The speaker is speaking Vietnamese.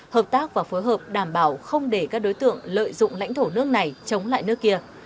hợp tác và phối hợp đảm bảo không để các đối tượng lợi dụng lãnh thổ nước này chống lại nước kia